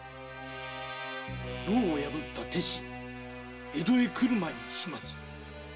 牢を破った鉄心が江戸へ来る前に始末を。